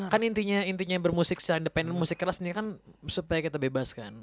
kan intinya bermusik secara independen musik keras ini kan supaya kita bebas kan